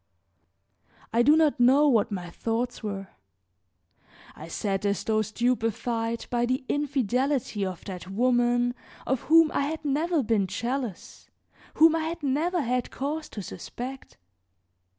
I do not know what my thoughts were; I sat as though stupefied by the infidelity of that woman of whom I had never been jealous, whom I had never had cause to suspect.